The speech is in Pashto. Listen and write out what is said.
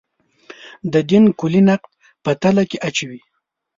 د دین کُلیت د نقد په تله کې اچوي.